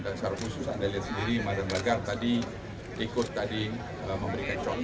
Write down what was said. dan secara khusus anda lihat sendiri madam lagarde tadi ikut memberikan contoh